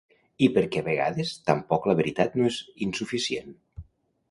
I perquè a vegades tampoc la veritat no és insuficient.